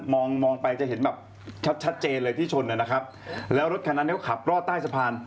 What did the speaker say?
มองมองไปจะเห็นแบบชัดชัดเจนเลยที่ชนนะครับแล้วรถคันนั้นเนี่ยก็ขับรอดใต้สะพาน